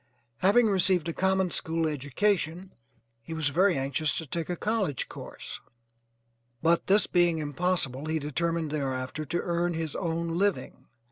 Having received a common school education he was very anxious to take a college course, but this being impossible, he determined thereafter to earn his own living.